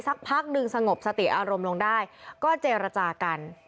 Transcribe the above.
สักพักหนึ่งสงบสติอารมณ์ลงได้ก็เจรจากัน